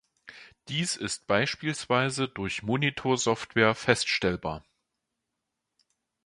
Dies ist beispielsweise durch Monitor-Software feststellbar.